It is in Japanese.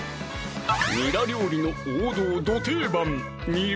にら料理の王道ど定番